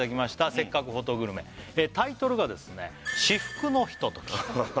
せっかくフォトグルメタイトルが「至福のひととき」